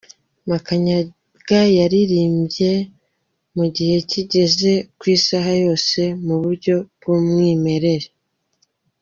Makanyaga yaririmbye mu gihe kigera ku isaha yose mu buryo bw’umwimerere.